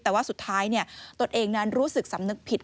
แต่ว่าสุดท้ายตนเองนั้นรู้สึกสำนึกผิด